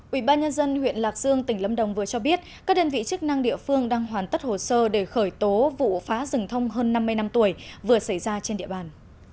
ubnd huyện lạc dương tỉnh lâm đồng vừa cho biết các đơn vị chức năng địa phương đang hoàn tất hồ sơ để khởi tố vụ phá rừng thông hơn năm mươi năm tuổi vừa xảy ra trên địa bàn